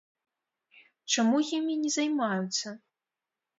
Чаму імі не займаюцца?